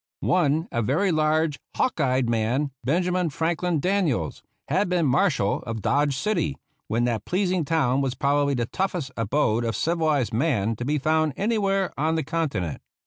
One, a very large, hawk eyed man, Benjamin Franklin Daniels, had been Marshal of Dodge City when that pleasing town was probably the toughest abode of civilized man to be found anywhere on the continent.